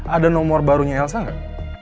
ada nomor barunya elsa nggak